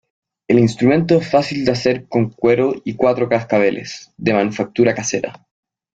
El instrumento es fácil de hacer con cuero y cuatro cascabeles, de manufactura casera.